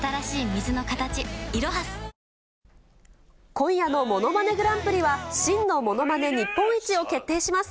今夜のものまねグランプリは、真のものまね日本一を決定します。